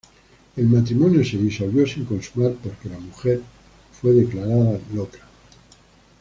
El matrimonio se disolvió sin consumar porque la mujer fue declarada loca.